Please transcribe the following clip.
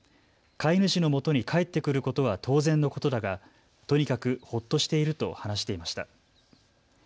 飼い主のもとに帰ってくることは当然のことだが、とにかくほっとしていると話していました。